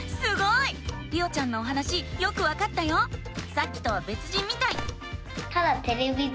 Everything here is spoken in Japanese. さっきとはべつじんみたい。